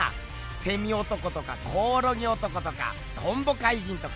セミ男とかコオロギ男とかトンボ怪人とか！